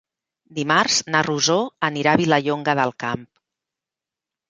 Dimarts na Rosó anirà a Vilallonga del Camp.